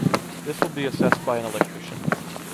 This will be assessed by an electrician.